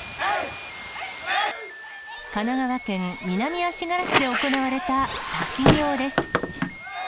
神奈川県南足柄市で行われた滝行です。